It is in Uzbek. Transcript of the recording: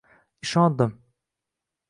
ishondim